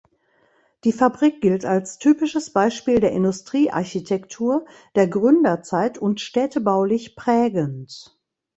Die Fabrik gilt als typisches Beispiel der Industriearchitektur der Gründerzeit und städtebaulich prägend.